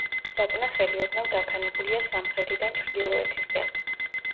საწნახელი ოდნავ დაქანებულია სამხრეთიდან ჩრდილოეთისკენ.